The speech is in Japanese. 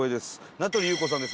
名取裕子さんです。